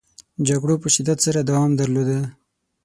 جګړو په شدت سره دوام درلوده.